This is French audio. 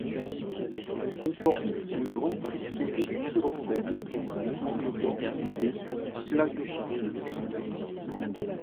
Elle comporte de grands cristaux de pyroxène englobant des plagioclases.